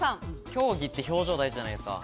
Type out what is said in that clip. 競技って、表情が大事じゃないですか。